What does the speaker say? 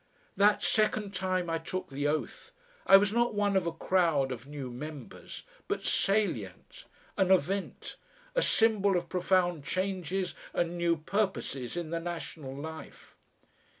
That second time I took the oath I was not one of a crowd of new members, but salient, an event, a symbol of profound changes and new purposes in the national life.